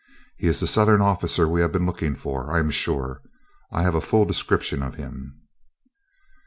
He is the Southern officer we have been looking for, I am sure. I have a full description of him."